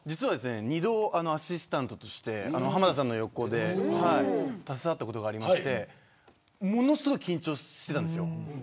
２回アシスタントとして浜田さんの横で携わったことがあってものすごい緊張していたんですよ。